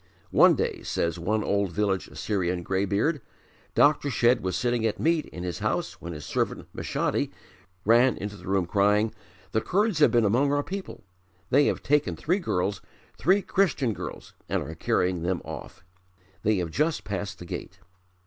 "One day," says one old village Assyrian greybeard, "Dr. Shedd was sitting at meat in his house when his servant, Meshadi, ran into the room crying, 'The Kurds have been among our people. They have taken three girls, three Christian girls, and are carrying them off. They have just passed the gate.'